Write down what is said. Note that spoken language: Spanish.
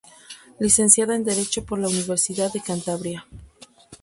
Licenciada en Derecho por la Universidad de Cantabria.